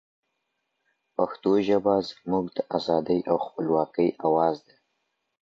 پښتو ژبه زموږ د ازادۍ او خپلواکۍ اواز دی